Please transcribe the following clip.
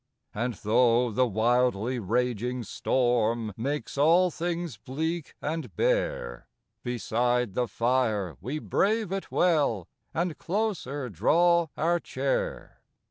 And, though the wildly raging storm Makes all things bleak and bare, Beside the fire we brave it well, And closer draw our chair.